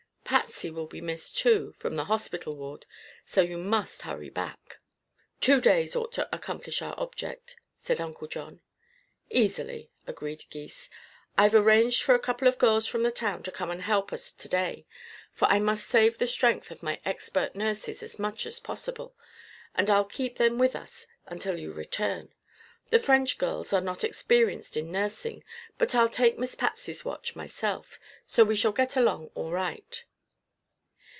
Patsy will be missed, too, from the hospital ward, so you must hurry back." "Two days ought to accomplish our object," said Uncle John. "Easily," agreed Gys. "I've arranged for a couple of girls from the town to come and help us to day, for I must save the strength of my expert nurses as much as possible, and I'll keep them with us until you return. The French girls are not experienced in nursing, but I'll take Miss Patsy's watch myself, so we shall get along all right."